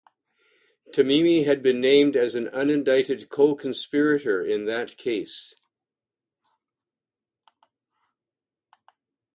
Tamimi had been named as an unindicted co-conspirator in that case.